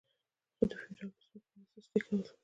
خو د فیوډال په ځمکو کې به یې سستي کوله.